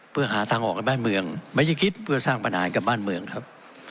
เพื่อหาทางออกในบ้านเมืองไม่ใช่คิดเพื่อสร้างปัญหากับบ้านเมืองครับ